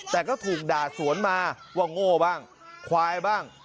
แต่ก็ถูกด่าสวนมาว่าโง่บ้างควายบ้าง